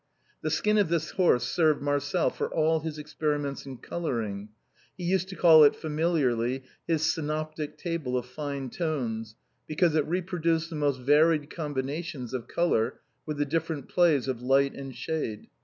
The skin of this horse served Marcel for all his experiments in coloring ; he used to call it, familiarly, his " synoptic table of fine tones," because it reproduced the most varied com binations of color, with the different plays of light and shade.